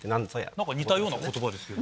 何か似たような言葉ですよね。